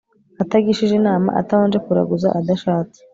atagishije inama, atabanje kuraguza, adashatse